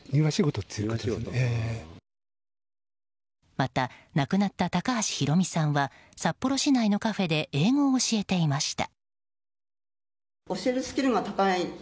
また亡くなった高橋裕美さんは札幌市内のカフェで英語を教えていました。